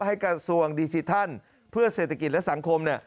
กระทรวงดิจิทัลเพื่อเศรษฐกิจและสังคม